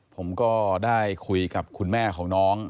ผมก็ได้คุยกับคุณแม่ของน้อง